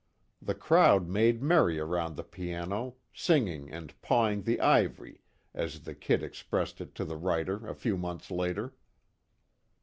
The crowd made merry around the piano, singing and "pawing the ivory," as the "Kid" expressed it to the writer a few months later.